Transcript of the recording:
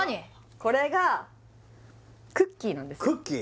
これがクッキーなんですクッキー？